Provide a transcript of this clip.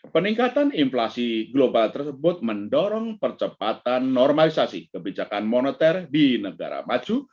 peningkatan inflasi global tersebut mendorong percepatan normalisasi kebijakan moneter di negara maju